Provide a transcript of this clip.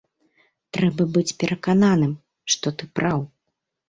Трэба быць перакананымі, што ты праў.